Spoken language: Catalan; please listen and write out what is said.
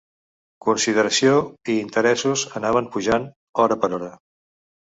Consideració, i interessos, anaven pujant hora per hora